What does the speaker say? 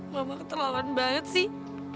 mama keterlaluan banget sih